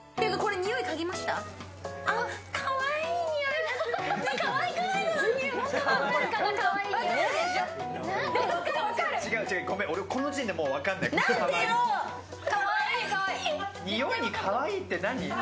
においにかわいいって、何？